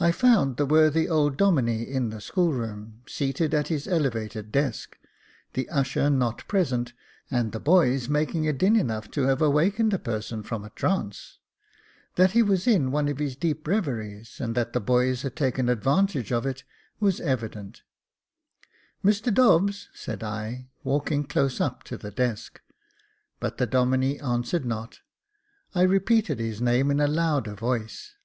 I FOUND the worthy old Domine in the school room, seated at his elevated desk, the usher not present, and the boys making a din enough to have awaked a person from a trance. That he was in one of his deep reveries, and that the boys had taken advantage of it was evident. " Mr Dobbs," said I, walking close up to the desk, but the Domine answered not. I repeated his name in a louder voice.